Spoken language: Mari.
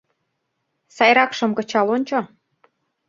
Сайракшым кычал ончо.